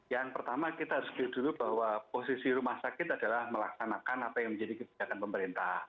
yang pertama kita harus clear dulu bahwa posisi rumah sakit adalah melaksanakan apa yang menjadi kebijakan pemerintah